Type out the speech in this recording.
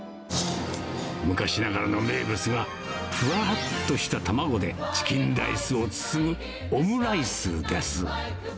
昔ながらの名物はふわっとした卵でチキンライスを包むオムライスです。